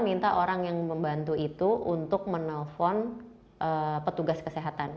minta orang yang membantu itu untuk menelpon petugas kesehatan